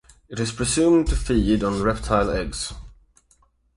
It is presumed to feed on reptile eggs.